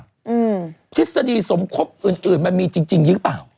เยอะไปหรือเปล่าทฤษฎีสมครบอื่นมันมีจริงอยู่ป่ะ